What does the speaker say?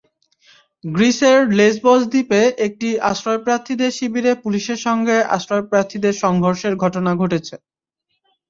গ্রিসের লেসবস দ্বীপে একটি আশ্রয়প্রার্থীদের শিবিরে পুলিশের সঙ্গে আশ্রয়প্রার্থীদের সংঘর্ষের ঘটনা ঘটেছে।